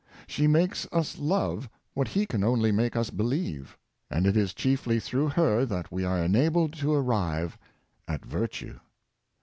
She makes us love what he can only make us believe, and it is chiefly through her that we are enabled to arrive at virtue.